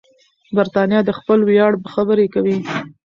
برتانیه د خپل ویاړ خبرې کوي.